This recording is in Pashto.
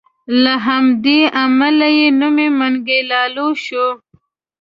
له همدې امله یې نوم منګی لالو شو.